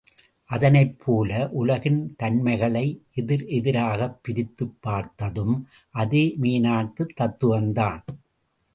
அதனைப்போல, உலகின் தன்மைகளை எதிர் எதிராகப் பிரித்துப் பார்த்ததும் அதே மேனாட்டுத் தத்துவம்தான்!